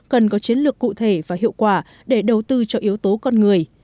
cần có chiến lược cụ thể và hiệu quả để đầu tư cho yếu tố con người